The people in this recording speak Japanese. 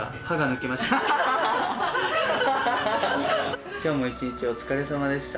きょうも一日お疲れさまでした。